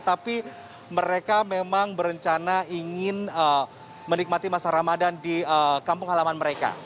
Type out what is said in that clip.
tapi mereka memang berencana ingin menikmati masa ramadan di kampung halaman mereka